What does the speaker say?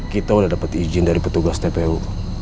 kita udah dapet izin dari petugas tpu